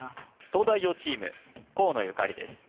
東大王チーム河野ゆかりです